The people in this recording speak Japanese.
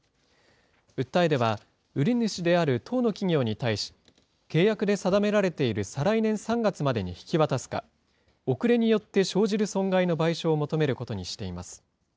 訴えでは、売り主である１０の企業に対し、契約で定められている再来年３月までに引き渡すか、遅れによって生じる損害の賠償を求めることにしています。